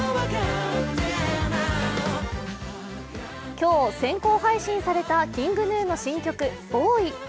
今日、先行配信されたＫｉｎｇＧｎｕの新曲「ＢＯＹ」。